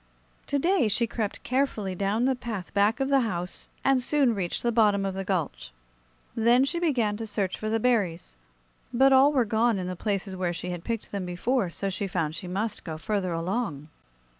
To day she crept carefully down the path back of the house and soon reached the bottom of the gulch. Then she began to search for the berries; but all were gone in the places where she had picked them before; so she found she must go further along.